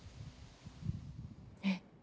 えっ。